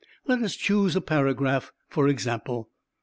Let us choose a paragraph for example.